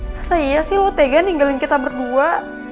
masa iya sih lo tega ninggalin kita berdua